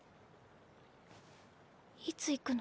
いつ行くの？